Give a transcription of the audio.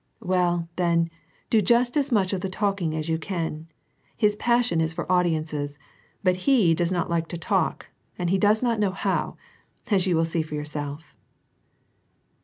"Well, then, do just as much of the talking as you can. His passion is for audiences, but he does not like to talk, and lie does not know how, as you will see for yourself."